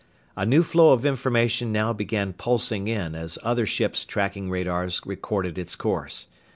A new flow of information now began pulsing in as other ships' tracking radars recorded its course.